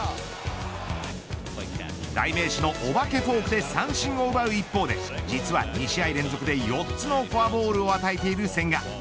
代名詞のお化けフォークで三振を奪う一方で実は２試合連続で、４つのフォアボールを与えている千賀